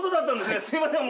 すみません。